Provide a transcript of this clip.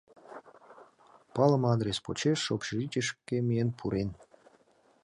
Палыме адрес почеш общежитийышке миен пурен.